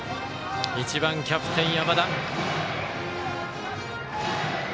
１番、キャプテン、山田。